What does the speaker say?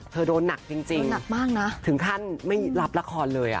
เธอโดนหนักจริงถึงขั้นไม่รับละครเลย